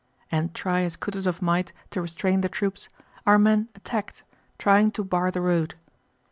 And try as Kutúzov might to restrain the troops, our men attacked, trying to bar the road.